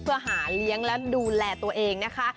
เพื่อหาเลี้ยงและดูแลตัวเองนะคะ